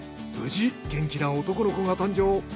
無事元気な男の子が誕生！